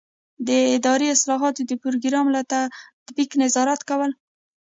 د اداري اصلاحاتو د پروګرام له تطبیق نظارت کول.